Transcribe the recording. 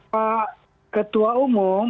pak ketua umum